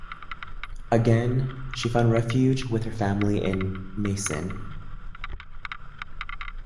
Again, she found refuge with her family in Meissen.